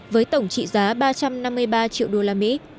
với tổng trị giá ba trăm năm mươi ba triệu usd